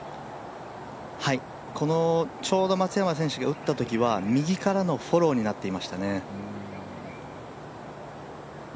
このちょうど松山選手が打ったときは右からのフォローになっていましたね。